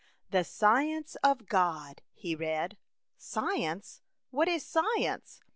" The science of God/' he read. *' Science, what is science